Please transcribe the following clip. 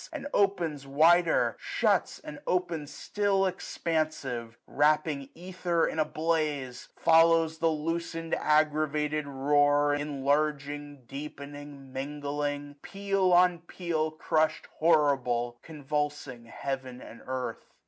And opens wider ; shuts and opens still Expansive, wrapping ether in a blaze. 1 1 40 Follows the loosen'd aggravated roar. Enlarging, deepening, mingling ; peal on peal Crushed horrible, convulsing heaven and earth.